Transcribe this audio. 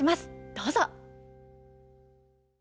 どうぞ。